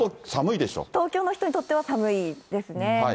ただ、東京の人にとっては寒いですね。